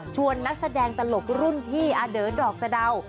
ชวนนักแสดงตลกรุ่นพี่อเดิร์ดดอกสะดาว